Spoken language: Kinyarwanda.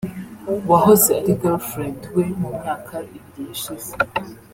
wahoze ari girlfriend we mu myaka ibiri yashize